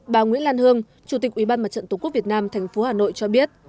bà nguyễn lan hương chủ tịch ủy ban mặt trận tổ quốc việt nam thành phố hà nội cho biết